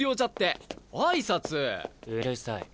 うるさい。